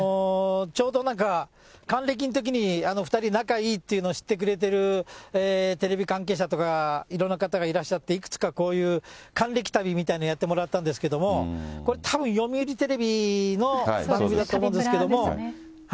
ちょうどなんか、還暦のときに２人仲いいっていうのを知ってくれてるテレビ関係者とか、いろんな方がいらっしゃって、いくつかこういう、還暦旅みたいなのをやってもらったんですけども、これたぶん、読売テレビの番組だと思うんですけれども。